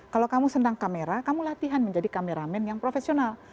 kalau kamu sedang kamera kamu latihan menjadi kameramen yang profesional